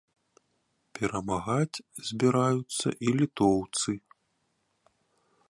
Перамагаць збіраюцца і літоўцы.